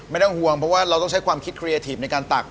ไม่ต้องห่วงเพราะว่าเราต้องใช้ความคิดเคลียร์ทีฟในการตัก